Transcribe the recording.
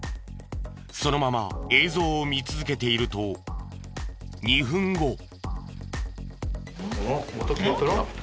そのまま映像を見続けていると２分後。